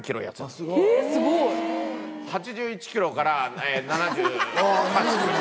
すごい！８１キロから、７８キロに。